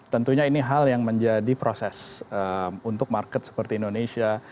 tentunya ini hal yang menjadi proses untuk market seperti indonesia